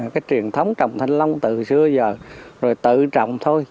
cái truyền thống trồng thanh long từ xưa giờ rồi tự trồng thôi